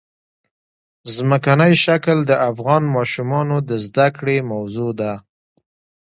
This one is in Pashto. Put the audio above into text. ځمکنی شکل د افغان ماشومانو د زده کړې موضوع ده.